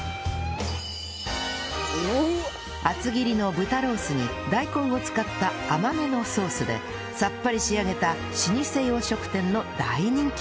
厚切りの豚ロースに大根を使った甘めのソースでさっぱり仕上げた老舗洋食店の大人気メニュー